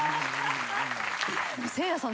せいやさん。